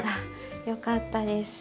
よかったです。